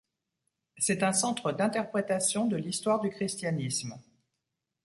C'est un centre d'interprétation de l'histoire du christianisme.